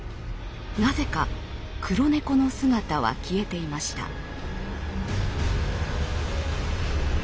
なぜか黒猫の姿は消えていました。